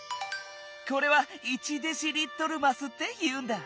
これは「１デシリットルます」っていうんだ。